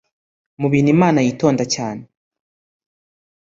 Mubintu Imana yitonda cyane